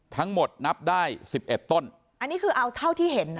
ทั้งหมดนับได้๑๑ต้นอันนี้คือเอาเท่าที่เห็น